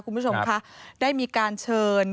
คุณผู้ชมคะได้มีการเชิญ